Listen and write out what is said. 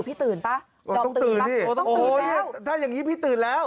อยู่พี่ตื่นป่ะต้องตื่นป่ะต้องตื่นแล้วโอ้โหถ้าอย่างงี้พี่ตื่นแล้ว